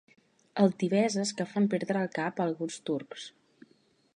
Altiveses que fan perdre el cap a alguns turcs.